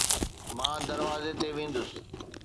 مان دروازي تي ويندس